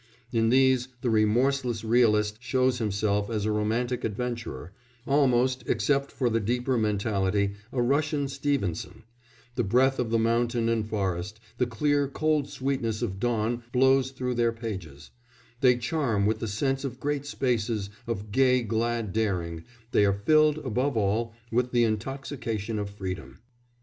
In these the remorseless realist shows himself as a romantic adventurer almost, except for the deeper mentality, a Russian Stevenson; the breath of the mountain and forest, the clear, cold sweetness of dawn blows through their pages; they charm with the sense of great spaces, of gay, glad daring; they are filled, above all, with the intoxication of freedom.